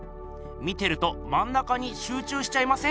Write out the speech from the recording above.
見てるとまん中にしゅう中しちゃいません？